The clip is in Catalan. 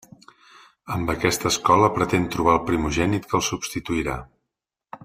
Amb aquesta escola pretén trobar el primogènit que el substituirà.